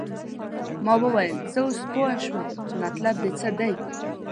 ما وویل زه اوس پوه شوم چې مطلب دې څه دی.